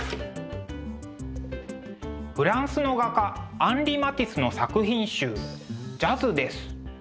フランスの画家アンリ・マティスの作品集「ＪＡＺＺ」です。